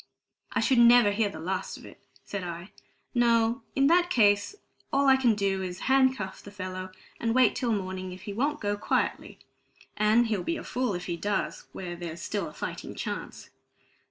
"I should never hear the last of it," said I. "No, in that case all I can do is to handcuff the fellow and wait till morning if he won't go quietly; and he'll be a fool if he does, while there's a fighting chance."